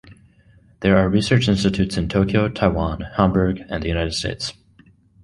There are research institutes in Tokyo, Taiwan, Hamburg and the United States.